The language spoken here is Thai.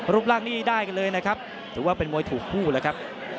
รุ่นล่างนี้ได้เลยนะครับถือว่าเป็นมวยถูกผู้เลยครับ